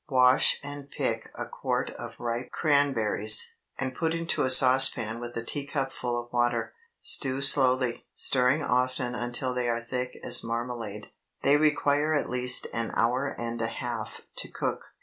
Wash and pick a quart of ripe cranberries, and put into a saucepan with a teacupful of water. Stew slowly, stirring often until they are thick as marmalade. They require at least an hour and a half to cook.